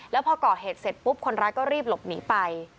แล้วพอก่อเหตุเสร็จปุ๊บคนร้ายก็รีบหลบหนีไป